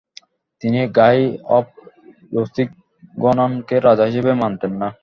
তিনি Guy of লুসিগনানকে রাজা হিসেবে মানতেন না।